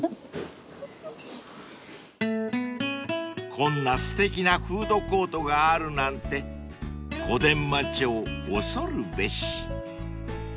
［こんなすてきなフードコートがあるなんて小伝馬町恐るべし］